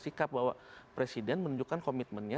sikap bahwa presiden menunjukkan komitmennya